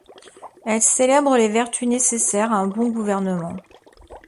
Elles célèbrent les vertus nécessaires à un bon gouvernement.